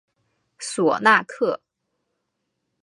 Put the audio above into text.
索纳克。